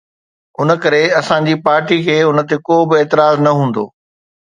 ان ڪري اسان جي پارٽي کي ان تي ڪو به اعتراض نه هوندو.